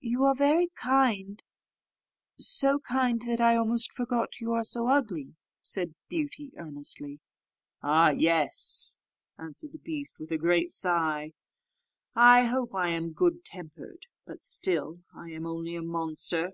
"You are very kind so kind that I almost forgot you are so ugly," said Beauty, earnestly. "Ah! yes," answered the beast, with a great sigh; "I hope I am good tempered, but still I am only a monster."